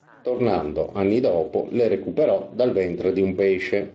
Tornando, anni dopo, le recuperò dal ventre di un pesce.